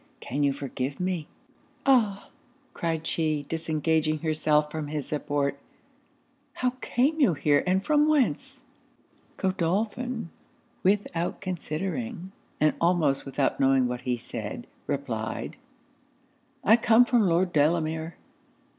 Can you forgive me?' 'Ah!' cried she, disengaging herself from his support 'how came you here, and from whence?' Godolphin, without considering, and almost without knowing what he said, replied 'I come from Lord Delamere.'